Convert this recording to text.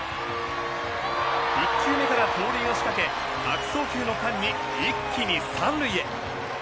１球目から盗塁を仕掛け悪送球の間に一気に３塁へ。